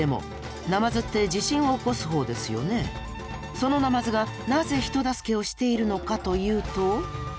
そのナマズがなぜ人助けをしているのかというと。